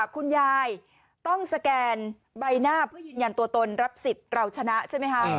คุณยายต้องสแกนใบหน้าเพื่อยืนยันตัวตนรับสิทธิ์เราชนะใช่ไหมคะ